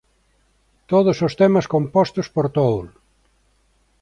Todos os temas compostos por Tool.